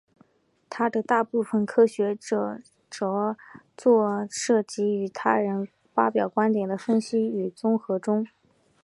他的大部分科学着作涉及对他人所发表观点的分析与综合中。